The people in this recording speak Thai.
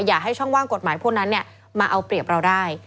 อย่าให้ช่องว่างกฎหมายพวกนั้นมาเอาเปรียบเราได้